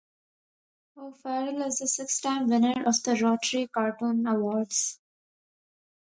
O'Farrell is a six-time winner of the Rotary cartoons award.